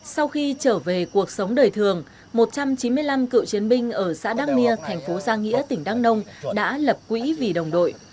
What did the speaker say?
sau khi trở về cuộc sống đời thường một trăm chín mươi năm cựu chiến binh ở xã đăng nia thành phố giang nghĩa tỉnh đăng nông đã lập quỹ vì đồng đội